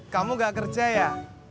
kamu gak kerja ya